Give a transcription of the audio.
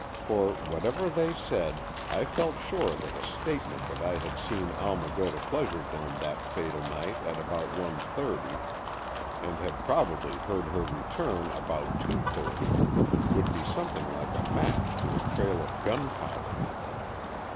For, whatever they said, I felt sure that a statement that I had seen Alma go to Pleasure Dome that fatal night at about one thirty and had probably heard her return about two thirty, would be something like a match to a trail of gunpowder.